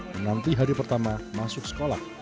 menanti hari pertama masuk sekolah